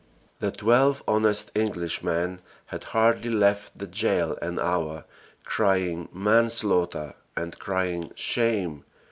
The twelve honest Englishmen had hardly left the jail an hour, crying "manslaughter!" and crying "shame!"